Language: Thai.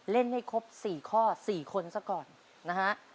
เล่นให้ครบ๔ข้อ๔คนซะก่อนนะฮะ